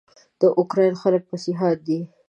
د اوکراین خلک مسیحیان دي.